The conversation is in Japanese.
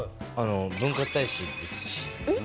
文化大使ですし。